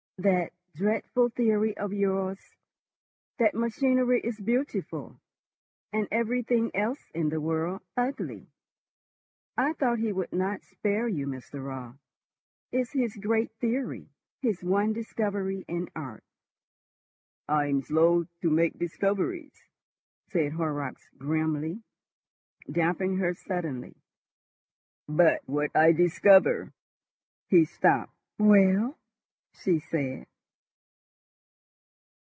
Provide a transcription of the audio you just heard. "That dreadful theory of yours that machinery is beautiful, and everything else in the world ugly. I thought he would not spare you, Mr. Raut. It's his great theory, his one discovery in art." "I am slow to make discoveries," said Horrocks grimly, damping her suddenly. "But what I discover ....." He stopped. "Well?" she said.